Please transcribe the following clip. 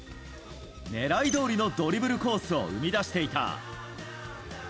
狙いどおりのドリブルコースを生み出していた。